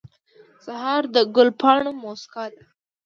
سهار د ګل پاڼو موسکا ده.